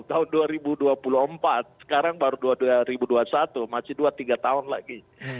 tahun dua ribu dua puluh empat sekarang baru dua ribu dua puluh satu masih dua tiga tahun lagi